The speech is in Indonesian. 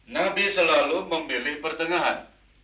nabi selalu memilih pertengahan